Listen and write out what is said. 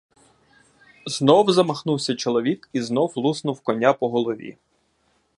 Знов замахнувся чоловік і знов луснув коня по голові.